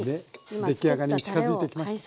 出来上がりに近づいてきました。